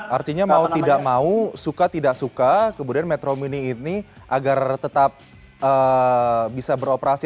artinya mau tidak mau suka tidak suka kemudian metro mini ini agar tetap bisa beroperasi